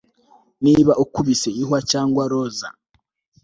niba ukubise ihwa cyangwa roza